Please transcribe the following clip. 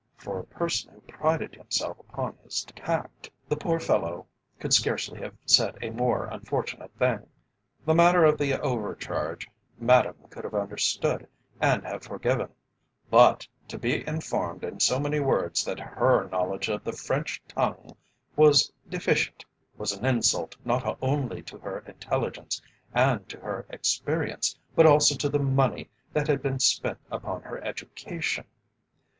For a person who prided himself upon his tact, the poor fellow could scarcely have said a more unfortunate thing. The matter of the overcharge, Madame could have understood and have forgiven, but to be informed in so many words that her knowledge of the French tongue was deficient, was an insult not only to her intelligence, and to her experience, but also to the money that had been spent upon her education.